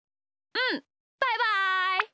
うんバイバイ。